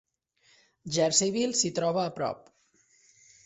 Jerseyville s'hi troba a prop.